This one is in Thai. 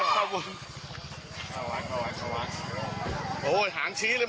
ตัวกลางกระดูก